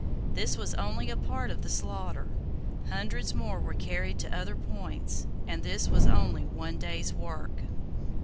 This [Page 71] was only a part of the slaughter. Hundreds more were carried to other points; and this was only one day's work.